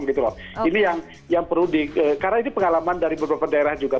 karena ini pengalaman dari beberapa daerah juga